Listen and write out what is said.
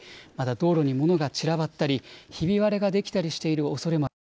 道路に物が散らばったりひび割れができたりしているおそれもあります。